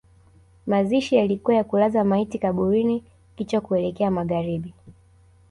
Mazishi yalikuwa ya kulaza maiti kaburini kichwa kuelekea magharibi